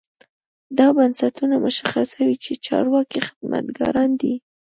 دا بنسټونه مشخصوي چې چارواکي خدمتګاران دي.